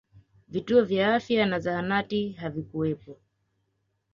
vituo vya afya na zahanati havikuwepo